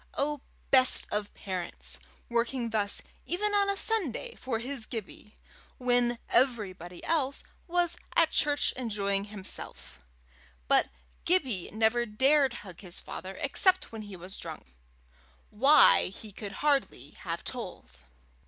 Oh, best of parents! working thus even on a Sunday for his Gibbie, when everybody else was at church enjoying himself! But Gibbie never dared hug his father except when he was drunk why, he could hardly have told.